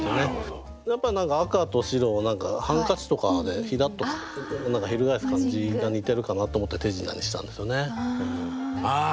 やっぱ赤と白をハンカチとかでひらっと翻す感じが似てるかなと思って「手品」にしたんですよね。